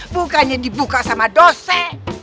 bukannya dibuka sama dosa